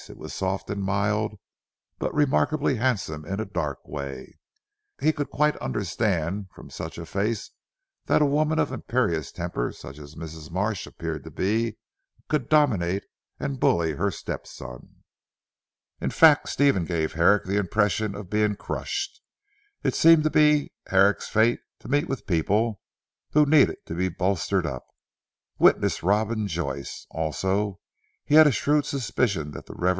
It was soft and mild, but remarkably handsome in a dark way. He could quite understand from such a face that a woman of imperious temper such as Mrs. Marsh appeared to be, could dominate and bully her step son. If fact Stephen gave Herrick the impression of being crushed. It seemed to be Herrick's fate to meet with people who needed to be bolstered up, witness Robin Joyce. Also he had a shrewd suspicion that the Revd.